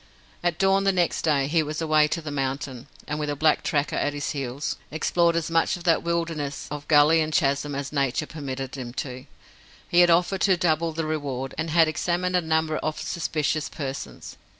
At dawn the next day he was away to the mountain, and with a black tracker at his heels, explored as much of that wilderness of gully and chasm as nature permitted to him. He had offered to double the reward, and had examined a number of suspicious persons.